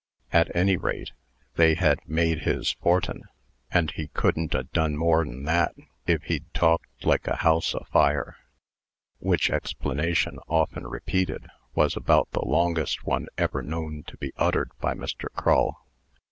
At any rate, they had "made his fortin', and he couldn't ha' done more'n that if he'd talked like a house a fire" which explanation, often repeated, was about the longest one ever known to be uttered by Mr. Crull.